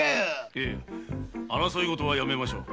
いや争いごとはやめましょう。